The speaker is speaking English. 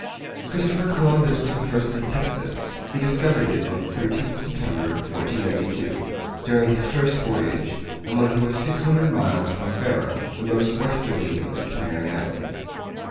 Christopher Columbus was the first to detect this. He discovered it on the 13th of September, 1492, during his first voyage, and when he was six hundred miles from Ferro, the most westerly of the Canary Islands.